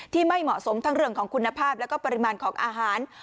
ไม่เหมาะสมทั้งเรื่องของคุณภาพแล้วก็ปริมาณของอาหาร